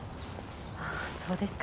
ああそうですか。